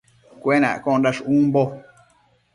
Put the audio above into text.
Cuenaccondash umbo